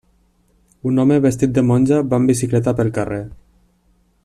Un home vestit de monja va en bicicleta pel carrer.